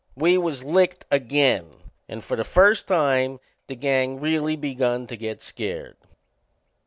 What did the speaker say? We was licked again and for the first time the gang really begun to get scared.